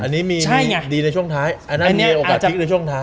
อันนี้มีดีในช่วงท้ายอันนั้นมีโอกาสพลิกในช่วงท้าย